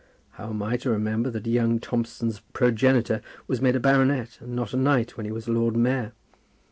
How am I to remember that young Thompson's progenitor was made a baronet and not a knight when he was Lord Mayor?